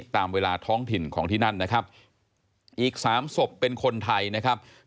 ตามเวลาท้องถิ่นของที่นั่นนะครับอีกสามศพเป็นคนไทยนะครับ